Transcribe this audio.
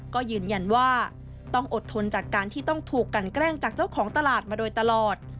ก็ยืนยันว่าต้องอดทนจากการที่ต้องถูกกันแกล้งจากเจ้าของตลาดมาโดยตลอด